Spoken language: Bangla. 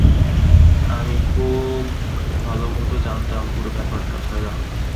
আমি খুব ভালোমতো জানতাম, পুরো ব্যাপারটা সাজানো।